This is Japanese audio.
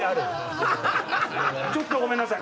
ちょっとごめんなさい